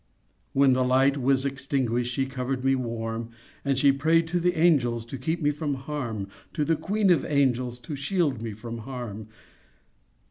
When the light was extinguished, She covered me warm, And she prayed to the angels To keep me from harm— To the queen of the angels To shield me from harm.